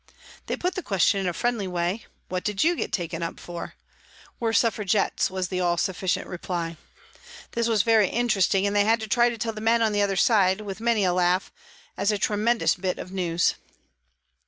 They put the question in a friendly way :" What did you get taken up for ?"" We're Suffragettes," was the all sufficient reply. This was very interesting, and they had to try to tell the men on the other side, with many a laugh, as a tre mendous bit of news.